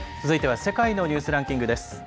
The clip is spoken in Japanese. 続いては「世界のニュースランキング」。